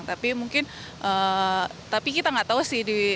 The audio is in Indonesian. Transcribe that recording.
tapi kita tidak tahu sih